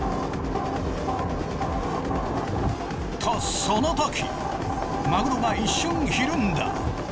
とそのときマグロが一瞬ひるんだ。